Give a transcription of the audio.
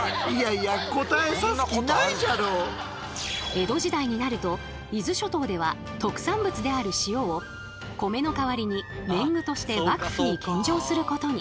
江戸時代になると伊豆諸島では特産物である「塩」を米の代わりに年貢として幕府に献上することに。